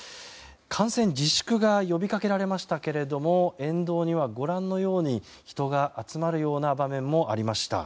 観戦自粛が呼びかけられましたけれども沿道にはご覧のように人が集まるような場面もありました。